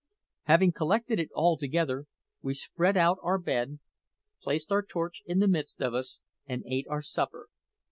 Having collected it all together, we spread out our bed, placed our torch in the midst of us, and ate our supper.